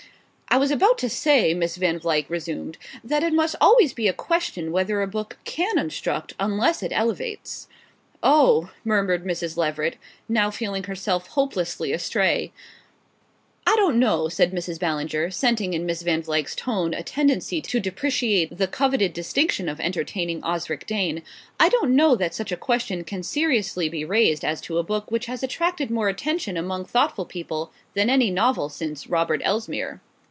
"I was about to say," Miss Van Vluyck resumed, "that it must always be a question whether a book can instruct unless it elevates." "Oh " murmured Mrs. Leveret, now feeling herself hopelessly astray. "I don't know," said Mrs. Ballinger, scenting in Miss Van Vluyck's tone a tendency to depreciate the coveted distinction of entertaining Osric Dane; "I don't know that such a question can seriously be raised as to a book which has attracted more attention among thoughtful people than any novel since 'Robert Elsmere.